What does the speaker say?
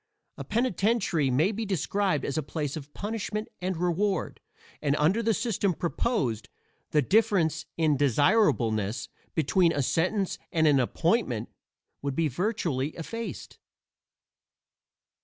A penitentiary may be described as a place of punishment and reward; and under the system proposed, the difference in desirableness between a sentence and an appointment would be virtually effaced.